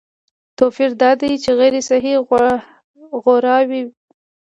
توپیر دا دی چې غیر صحي غوراوي